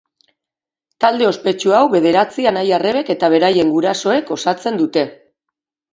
Talde ospetsu hau bederatzi anai-arrebek eta beraien gurasoek osatzen dute.